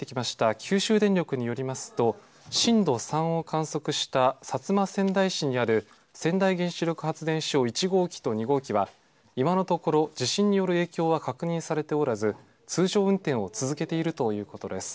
九州電力によりますと、震度３を観測した薩摩川内市にある川内原子力発電所１号機と２号機は、今のところ、地震による影響は確認されておらず、通常運転を続けているということです。